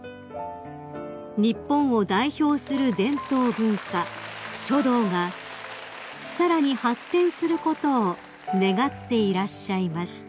［日本を代表する伝統文化書道がさらに発展することを願っていらっしゃいました］